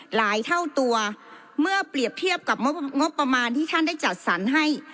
เท่าตัวเมื่อเปรียบเทียบกับงบประมาณที่ท่านได้จัดสรรให้